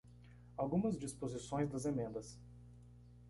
Algumas disposições das emendas